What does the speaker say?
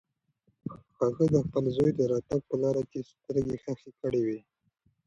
هغه د خپل زوی د راتګ په لاره کې سترګې خښې کړې وې.